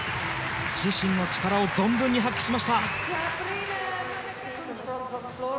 自身の力を存分に発揮しました。